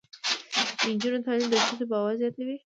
د نجونو تعلیم د ښځو باور زیاتوي.